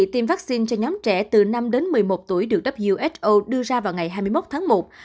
tiêm vaccine cho nhóm trẻ từ năm đến một mươi một tuổi được wso đưa ra vào ngày hai mươi một tháng một